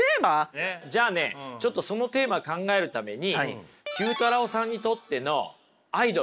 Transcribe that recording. じゃあねちょっとそのテーマ考えるために９太郎さんにとってのアイドル。